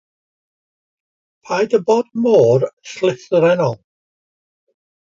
Paid â bod mor llythrennol.